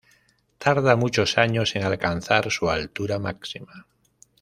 Tarda muchos años en alcanzar su altura máxima.